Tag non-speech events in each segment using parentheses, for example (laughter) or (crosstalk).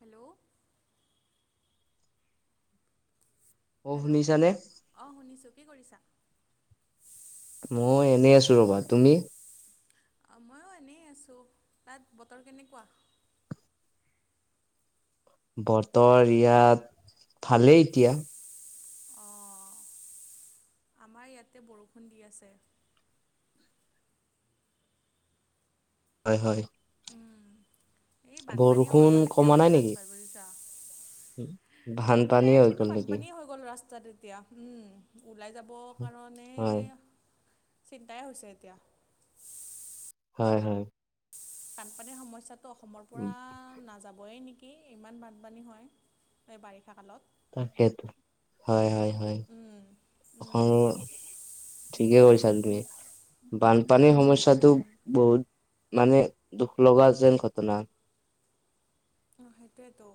Hello. অ hello? শুনিছানে অ', শুনিছোঁ, কি কৰিছা? মই এনেই আছো ৰ'বা, তুমি? অ', মইও এনেই আছো, তাত বতৰ কেনেকুৱা? বতৰ ইয়াত, ভালেই এতিয়া। অ', আমাৰ ইয়াতে বৰষুণ দি আছে। হয়, হয়। এই বানপানীও হৈ বৰষুণ গ'ল এতিয়া, কমা মানে নাই নেকি ৰাস্তা বুজিছা। কমিলে, বানপানীয়ে হৈ কিন্তু গ'ল নেকি বানপানীয়ে হয় গ'ল ৰাস্তাত এতিয়া, উম ওলাই যাব কাৰণে হয় চিন্তায়ে হৈছে এতিয়া। হয়, হয়। বানপানীৰ সমস্যাটো অসমৰ পৰা নাযা (unintelligible) নেকি ইমান বানপানী হয়, এই বাৰিষা কালত। তাকেইতো হয়, হয়, হয়, উম উম অসমৰ ঠিকেই কৈছা তুমি, বানপানীৰ সমস্যাটো উম বহুত মানে, দুখ লগা যেন ঘটনা। অ', সেইটোৱেটো।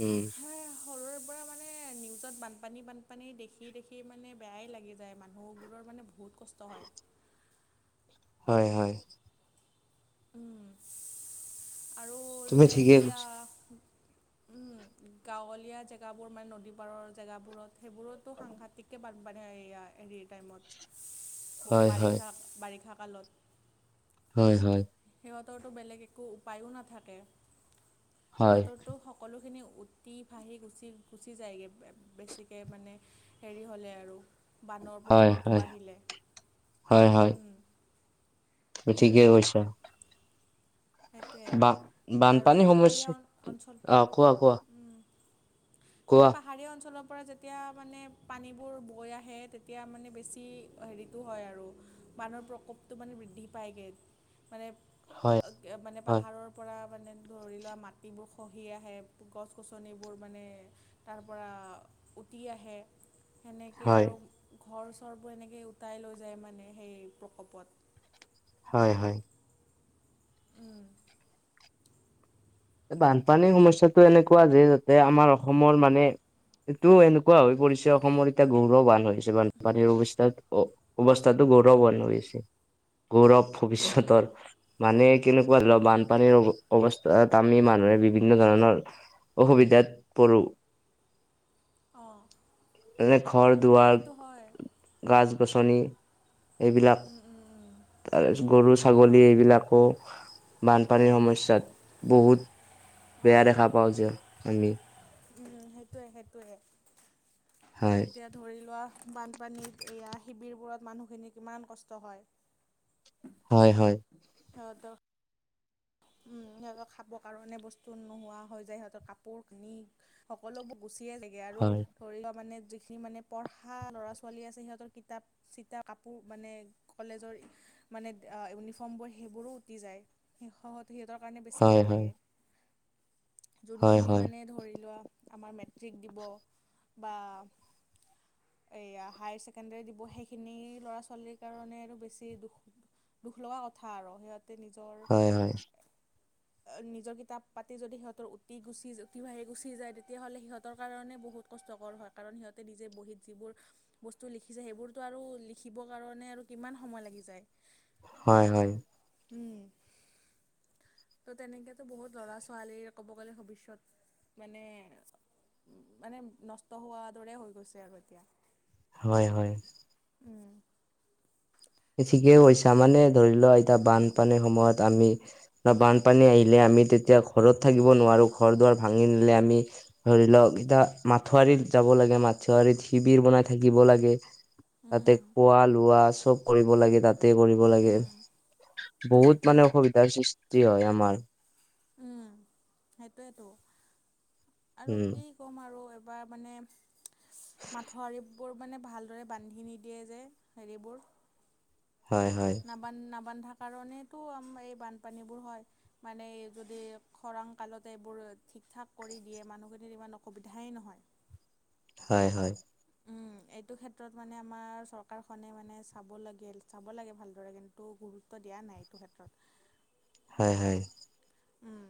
উম। হ সৰুৰে পৰা মানে নিউজত বানপানী বানপানী দেখি দেখি মানে বেয়াই লাগি যায়, মানুহবোৰৰ মানে বহুত কষ্ট হয়। হয়, হয়। উম, আৰু তুমি যে ঠিকেই এয়া কৈছা উম। গাঁৱলীয়া জেগাবোৰ মানে নদী পাৰৰ জেগাবোৰত, সেইবোৰতো সাংঘাতিতকে বানপানী হেৰি টাইমত, হয় হয় বাৰিষা বাৰিষা কালত। হয়, হয়। সিহঁতৰটো বেলেগ একো উপায়ো নাথাকে, হয় সিহঁতৰটো সকলোখিনি উতি ভাহি গুচি-গুচি যায়গে, বেছিকে মানে হেৰি হ'লে আৰু। বানৰ হয় প্ৰকোপটো হয় বাঢ়িলে, হয় হয় উম। ঠিকেই উম। কৈছা। সেইটোৱে, বা আৰু বানপানী সমস্যা পাহাৰীয়া অঞ্চল অ', কোৱা কোৱা উম কোৱা। মানে পাহাৰীয়া অঞ্চলৰ পৰা যেতিয়া মানে পানীবোৰ বৈ আহে, তেতিয়া মানে বেছি হেৰিটো হয় আৰু বানৰ প্ৰকোপটো মানে বৃদ্ধি পায়গে, মানে হয়, (unintelligible) মানে হয়, পাহাৰৰ পৰা মানে ধৰি লোৱা মাটিবোৰ খহি আহে, গছ-গছনিবোৰ মানে তাৰ পৰা উতি আহে। সেনেকে হয়, আৰু, ঘৰ চৰবোৰ এনেকৈ উটাই লৈ যায় মানে হেৰি প্ৰকোপত। হয়, হয়। উম। বানপানীৰ সমস্যাটো এনেকুৱা যে, যাতে আমাৰ অসমৰ মানে এইটো এনেকুৱা হৈ পৰিছে, অসমৰ এতিয়া গৌৰ বান হয়। পানীৰ অৱস্থাত, অ-অৱস্থাটো গৌৰৱ (unintelligible) গৌৰৱ। উম, ভৱিষ্যতৰ, মানে কেনেকুৱা ধৰা উম। বানপানীৰ অ-অৱস্থাত আমি মানুহে বিভিন্ন ধৰণৰ অসুবিধাত পৰো। অঁ যেনে ঘৰ-দুৱাৰ, সেইটো হয় গাছ-গছনি এইবিলাক, উম উম উম তাৰপিছত গৰু, অঁ ছাগলী এইবিলাকো বানপানীৰ অঁ সমস্যাত বহুত বেয়া দেখা পাওঁ যে, আমি উম, সেইটোৱে সেইটোৱে। হয় এতিয়া ধৰি লোৱা বানপানীত, এয়া শিবিৰবোৰত মানুহখিনিৰ কিমান কষ্ট হয়। হয় হয়। (unintelligible) সিহঁত খাবৰ কাৰণে বস্তু নোহোৱা হৈ যায় সিহঁতৰ কাপোৰ কিনি সকলোবোৰ গুচিয়ে লাগে আৰু হয় ধৰি লোৱা মানে যিখিনি মানে পঢ়া ল'ৰা ছোৱালী আছে সিহঁতৰ কিতাপ চিতা কাপোৰ মানে কলেজৰ মানে ইউনিফৰ্মবোৰ সেইবোৰো উটি যায় শেষত। ত সিহঁতৰ কাৰণে বেছি হয় বেয়া হয় লাগে হয় যোনখিনি হয় মানে ধৰি লোৱা আমাৰ মেট্ৰিক দিব বা এইয়া হায়াৰ ছেকেণ্ডৰী দিব সেইখিনি ল'ৰা ছোৱালীৰ কাৰণে আৰু বেছি দুখ দুখ লগা কথা আৰু সিহঁতে নিজৰ (unintelligible) নিজৰ কিতাপ পাতি যদি সিহঁতৰ উতি গুচি উতি বাঢ়ি গুচি যায় তেতিয়াহ'লে সিহঁতৰ কাৰণে বহুত কষ্টকৰ হয় কাৰণ সিহঁতে নিজে বহীত যিবোৰ বস্তু লিখিছে সেইবোৰতো আৰু লিখিবৰ কাৰণে আৰু কিমান সময় লাগি যায়। হয় হয়। উম। ত' তেনেকেতো বহুত ল'ৰা ছোৱালী ক'ব গ'লে ভৱিষ্যত মানে মানে নষ্ট হোৱাৰ দৰে হৈ গৈছে আৰু এতিয়া। হয় হয়। উম। ঠিকেই কৈছা মানে ধৰি লোৱা এতিয়া বানপানীৰ সময়ত আমি বা বানপানী আহিলে আমি তেতিয়া ঘৰত থাকিব নোৱাৰোঁ ঘৰ দুৱাৰ ভাঙি নিলে আমি ধৰি লওক এতিয়া মাথুৱৰিত যাব লাগে মাথুৱৰিত শিবিৰ বনাই থাকিব লাগে। তাতে উম, খোৱা লোৱা চব ল তাতে কৰিব লাগে উম, বহুত সেইটোৱে মানে অসুবিধাৰ সৃষ্টি হয় আমাৰ। উম সেইটোৱে আৰু উম কি ক'ম আৰু এবাৰ মানে মাথো আৰি বোৰ মানে ভালদৰে বান্ধি নিদিয়ে যে হেৰিবোৰ। হয় হয়। নান নাবান্ধা কাৰণেটো এই বানপানীবোৰ হয়। মানে যদি খৰাং কালতে এইবোৰ ঠিক ঠাক কৰি দিয়ে মানুহখিনিৰ ইমান অসুবিধাই নহয়। হয় হয়। উম, এইটো ক্ষেত্ৰত মানে আমাৰ চৰকাৰখনে মানে চাব লাগে চাব লাগে ভালদৰে কিন্তু তো গুৰুত্ব দিয়া নাই এইটো ক্ষেত্ৰত হয়, হয়। উম,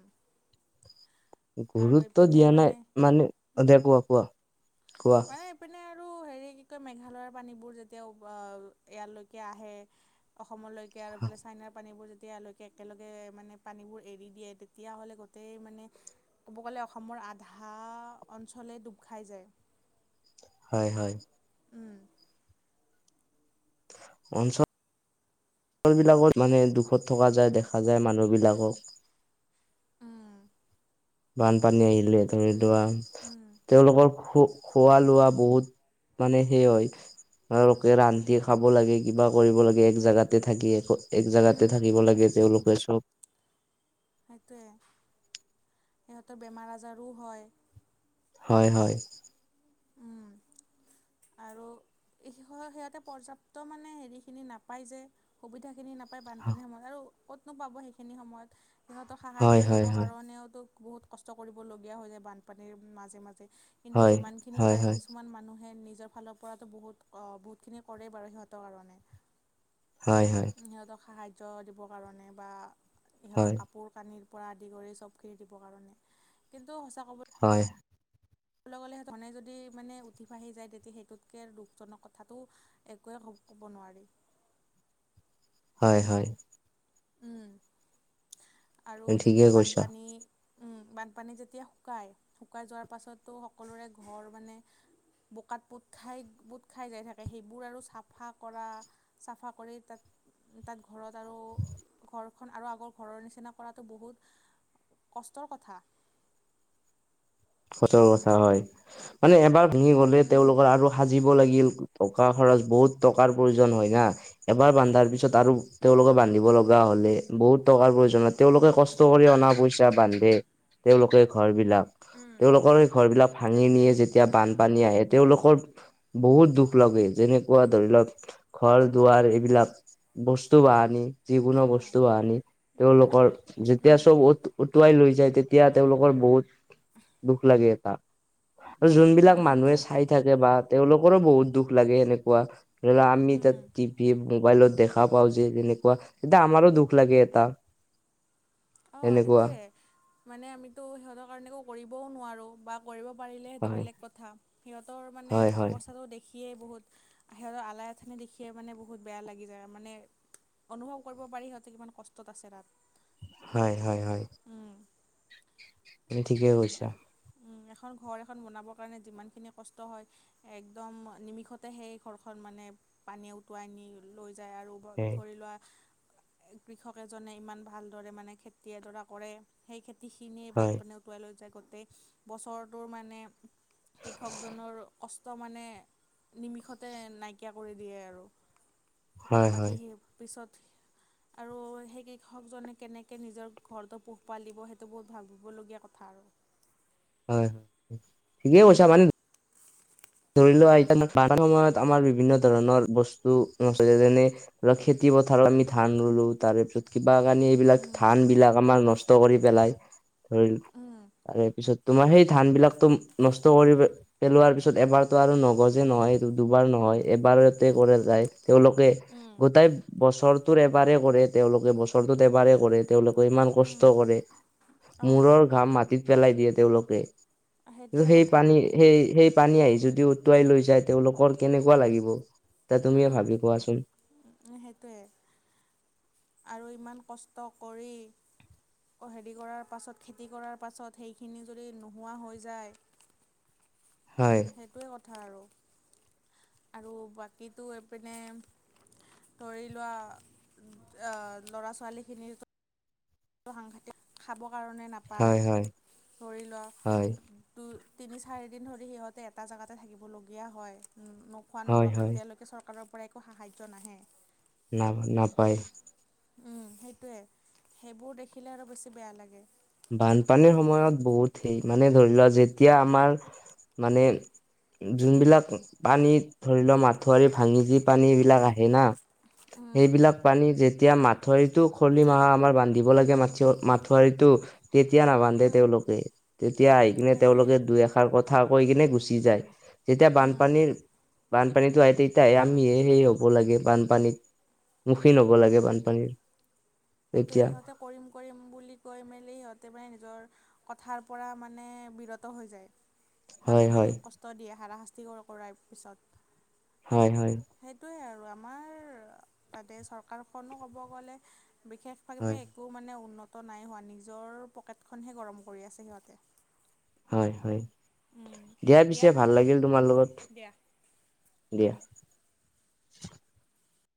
আৰু গুৰুত্ব এইপিনে দিয়া মানে নাই মানে অধে কোৱা কোৱা কোৱা, মানে এইপিনে আৰু হেৰি কি কয় মেঘালয়ৰ পানীবোৰ যেতিয়া উবাল ইয়ালৈকে আহে। অসমলৈকে আৰু এইফালে চাইনাৰ পানীবোৰ যেতিয়া একেলগে মানে পানীবোৰ এৰি দিয়ে, তেতিয়াহ'লে গোটেই মানে ক'ব গ'লে অসমৰ আধা অঞ্চলেই ডুব খাই যায় হয় হয়। উম। অঞ্চল বিলাকত মানে দুখত থকা যায় দেখা যায় মানুহ বিলাকক। অ বানপানী আহিলে ধৰি লোৱা উম, তেওঁলোকৰ শোক খোৱা লোৱা বহুত মানে সেই হয়। ধৰা লোকে ৰান্ধি খাব লাগে কিবা কৰিব লাগে এক জাগাতে থাকি একো এক উম, জাগাতে উম, থাকিব লাগে তেওঁলোকে চব। সেইটোৱে সিহঁতৰ বেমাৰ আজাৰো হয়। হয়, হয়। উম। আৰু সিহঁতে পৰ্যাপ্ত মানে হেৰিখিনি নাপায় যে, সুবিধাখিনি নাপায়। নাপায় বানপানীৰ সময়ত আৰু কতনো পাব সেইখিনি সময়ত। সিহঁতক সাহাৰ্য হয় হয় দিবৰ হয় কাৰণেওতো বহুত কষ্ট কৰিবলগীয়া হৈ যায় বানপানীৰ মাজে মাজে। কিন্তু হয় যিমান খিনি হয় পাৰে হয় কিছুমান মানুহে নিজ জৰ ফালৰ পৰা বহুত বহুতখিনি কৰেই বাৰু সিহঁতৰ কাৰণে। হয়, হয়। সিহঁতক সাহাৰ্য দিবৰ কাৰণে বা ইহঁতক হয় কা কাপোৰ কানি পৰা আদি কৰি চবখিনি দিব কাৰনে। কিন্তু সঁচা কব হয়। ক'বলৈ গ'লে সেই টো ধৰনে যদি মানে উঠি ভাহি যায় তেতিয়া সেইটোতকৈ আৰু দুখজনক কথাটো একোৱে ক ক'ব নোৱাৰি। হয়, হয়। উম, আৰু যেতিয়া ঠিকেই কৈছা বানপানী বানপানী যেতিয়া শুকায়, শুকাই যোৱাৰ পাছতো সকলোৰে ঘৰ মানে বোকাত পোট খাই পোট খাই যাই থাকে, সেইবোৰ আৰু চাফা কৰা চাফা কৰি তাত তাত ঘৰত আৰু ঘৰখন আৰু আগৰ ঘৰৰ নিচিনা কৰাতটো বহুত কষ্টৰ কথা। সঁচাৰ কথা হয়, মানে এবাৰ ভাঙি গ'লে উম তেওঁলোকৰ আৰু সাজিব লাগিল টকা খৰচ বহুত টকাৰ প্ৰয়োজন হয় না। এবাৰ বান্ধাৰ পিছত আৰু উম তেওঁওলোকে বান্ধিব লগ গা হ'লে বহুত টকাৰ প্ৰয়োজন হয়। তেওঁলোকে কষ্ট কৰি অনা পইচা বান্ধে তেওঁলোকে ঘৰ বিলাক, উম তেওঁলোকৰ এই ঘৰ বিলাক ভাঙি নিয়ে সেইটোৱে যেতিয়া তিয়া বানপানী আহে তেওঁলোকৰ বহুত দুখ লাগে। যেনেকুৱা ধৰি লওঁক ঘৰ দুৱাৰ এইবিলাক বস্তু বাহনি যিকোনো অঁ বস্তু বাহনি তেওঁলোকৰ তেতিয়া উম চব উট উটুৱাই লৈ যায় তেতিয়া তেওঁলোকৰ বহুত (unintelligible) দুখ লাগে এটা, আৰু উম যোনবিলাক মানুহে সেইটোৱেতো চাই থাকে বা তেওঁলোকৰো বহুত দুখ লাগে এনেকুৱা ধৰি লও আমি উম তাত টিভি মোবাইলত দেখা পাওঁ যে যেনেকুৱা তেতিয়া আমাৰো দুখ লাগে এটা। অঁ এনেকুৱা সেইটোৱে মানে আমিতো সিহঁতৰ কাৰণে একো কৰিবও নোৱাৰোঁ। বা কৰিব পাৰিলে সেইটো হয় বেলেগ কথা, সিহঁতৰ মানে হয় হয় অৱস্থাটো দেখিয়েই বহুত সিহঁতৰ আলাই আথানী দেখিয়ে মানে বহুত বেয়া লাগি যায়। মানে অনুভৱ কৰিব পাৰি সিহঁতে কিমান কষ্টত আছে তাত। হয়, হয়, হয়। উম। তুমি ঠিকেই কৈছা। এখন ঘৰ এখন বনাবৰ কাৰণে যিমানখিনি কষ্ট হয় একদম নিমিষতে সেই ঘৰখন মানে পানী উটুৱাই নি লৈ যায় আৰু। হয় ধৰি লোৱা কৃষক এজনে ইমান ভালদৰে মানে খেতি এডৰা কৰে সেই খেতিখিনিয়ে হয় বানপানীয়ে উটুৱাই লৈ যায়। গোটেই বছৰটোৰ মানে কৃষকজনৰ কষ্ট মানে নিমিষতে নাইকিয়া কৰি দিয়ে আৰু, হয় বাকী হয় সেই পিছত আৰু সেই কৃষকজনে কেনেকে নিজৰ ঘৰতো পোহপাল দিব সেইটো বহুত ভাগ ভিবলগীয়া কথা। থা আৰু। হয়, ঠিকেই কৈছা। উম মানে ধৰি লোৱা এতিয়া বানৰ সময়ত আমাৰ বিভিন্ন ধৰণৰ বস্তু আছে যেনে অ' খেতি পথাৰত আমি ধান ৰুলো তাৰ পিছত কিবা কানি এইবিলাক উম ধানবিলাক আমাক নষ্ট কৰি পেলাই, ধৰিল উম তাৰে পিছত তোমাৰ সেই ধান বিলাকতো নষ্ট কৰি পে-পেলোৱাৰ পিছত তাৰপিছত এবাৰতো আৰু নগজে নহয় দুবাৰ নহয় এবাৰতে কৰে যায়। তেওঁলোকে উম গোটাই বছৰ টোৰ এবাৰে কৰে তেওঁলোকে বছৰটোত এবাৰে কৰে তেওঁলোকে ইমান কষ্ট উম কৰে। অঁ মূৰৰ ঘাম মাটিত পেলাই দিয়ে তেওঁলোকে সেইটোৱে সেই কথা পানী সেই সেই পানী আহি যদি উটুৱাই লৈ যায় তেওঁলোকৰ কেনেকুৱা লাগিব এতিয়া তুমি ভাবি কোৱাচোন। উ উ সেইটোয়ে। আৰু ইমান কষ্ট কৰি হেৰি কৰাৰ পাছত খেতি কৰাৰ পাছত সেইখিনি যদি নোহোৱা হৈ যায় হয় সেইটোৱে কথা আৰু আৰু বাকীটো এইপিনে ধৰি লোৱা অ লৰা ছোৱালখিনিৰ সাংঘাতিক খাব কাৰণে নাপায় হয় হয় ধৰি হয় লোৱা দুই তিনি চাৰিদিন ধৰি সিহঁতে এটা জেগাতে থাকিবলগীয়া হয়। খোৱা হয় নোলোৱাকৈ হয় যেতিয়ালৈকে চৰকাৰৰ পৰা একো সাহায্য নাহে। না-নাপায়। উম সেইটোৱে সেইবোৰ দেখিলে আৰু বেছি বেয়া লাগে। বানপানীৰ সময়ত বহুত সেই মানে ধৰি লোৱা যেতিয়া আমাৰ মানে যোনবিলাক পানীত ধৰি লওক মাঠুৱৰি ভাঙি যি পানী এইবিলাক আহে না উম সেইবিলাক পানী যেতিয়া মাথাৱৰিটো খলি মাহৰ আমাৰ বান্ধিব লাগে মা-মাথৰিটো তেতিয়া নাবান্ধে উম, তেওঁলোকে তেতিয়া আহি কিনে সেইটোৱে তেওঁলোকে দুই এ কথা কৈ কিনে গুচি যায় যেতিয়া উম বানপানীৰ বানপানীতো আহে তেতিয়াহে আমিহে সেই হ'ব লাগে বানপানীত। মুখীন হব লাগে বানপানীৰ। সেইটোৱে তেতিয়া সিহঁতে কৰিম কৰিম বুলি কৈ মেলি সিহঁতে মানে নিজৰ কথাৰ পৰা মানে বিৰত হৈ যায়। হয় হয় মানুহখিনিক কষ্ট দিয়ে হাৰাশাস্তি কৰায় পিছত। হয় হয় সেইটোৱে আৰু আমাৰ তাতে চৰকাৰখনো ক'ব গ'লে বিশেষ (unintelligible) হয় একো মানে উন্নত নাই হোৱা নিজৰ পকেটখনহে গৰম কৰি আছে সিহঁতে। হয় হয় উম, দিয়া পিছে ভাল নহ'লে লাগিল তোমাৰ লগত দিয়া দিয়া। উম